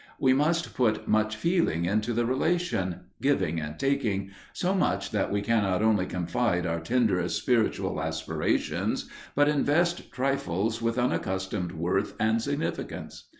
We must put much feeling into the relation giving and taking so much that we cannot only confide our tenderest spiritual aspirations, but invest trifles with unaccustomed worth and significance.